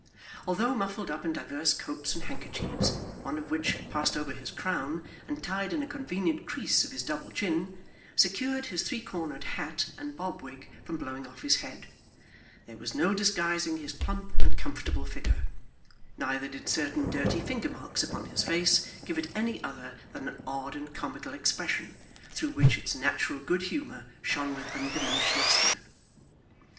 Although muffled up in divers coats and handkerchiefs one of which, passed over his crown, and tied in a convenient crease of his double chin, secured his three cornered hat and bob wig from blowing off his head there was no disguising his plump and comfortable figure; neither did certain dirty finger marks upon his face give it any other than an odd and comical expression, through which its natural good humour shone with undiminished lustre.